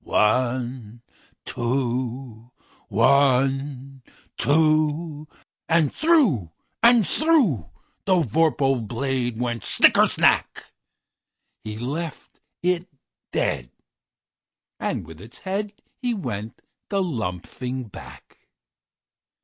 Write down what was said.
One, two! One, two! And through and throughThe vorpal blade went snicker snack! He left it dead, and with its headHe went galumphing back.